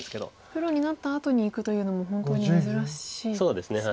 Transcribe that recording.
プロになったあとに行くというのも本当に珍しいですよね。